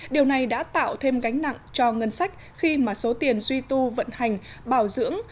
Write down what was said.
điều này đã tạo thêm gánh nặng cho ngân sách khi mà số tiền duy tu vận hành bảo dưỡng